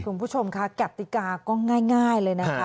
คุณผู้ชมค่ะกติกาก็ง่ายเลยนะคะ